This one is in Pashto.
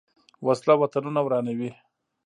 وسله وطنونه ورانوي